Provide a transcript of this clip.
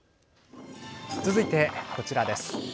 続いてこちらです。